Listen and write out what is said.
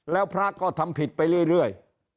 แล้วพระก็ทำผิดไปเรื่อย